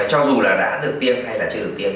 cho dù là đã được tiêm hay là chưa được tiêm